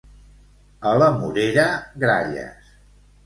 A la Morera, gralles.